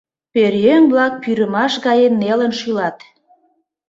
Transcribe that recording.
Пӧръеҥ-влак пӱрымаш гае нелын шӱлат.